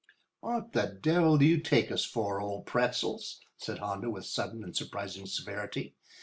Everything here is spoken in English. "What the devil do you take us for, old Pretzels?" said Hondo with sudden and surprising severity.